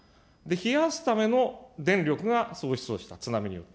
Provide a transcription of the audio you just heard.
冷やすための電力が喪失をした、津波によって。